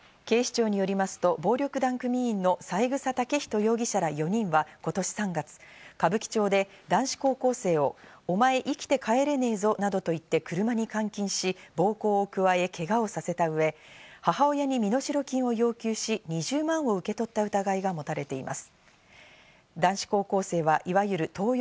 警視庁によりますと暴力団組員の三枝丈人容疑者ら４人はことし３月、歌舞伎町で男子高校生を、お前、生きて帰れねえぞなどと言って車に監禁し、暴行を加えけがをさせた上、母親に身代金を要求し、２０万円を受け取った疑いが持たれています。